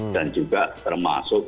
dan juga termasuk ya